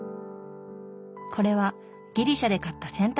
これはギリシャで買った洗濯ばさみだそう。